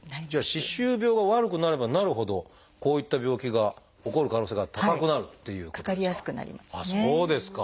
歯周病が悪くなればなるほどこういった病気が起こる可能性が高くなるっていうことですか？